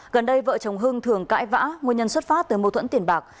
gần đây vợ chồng hưng thường cãi vã nguyên nhân xuất phát từ mâu thuẫn tiền bạc